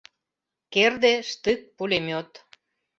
Керде, штык, пулемёт...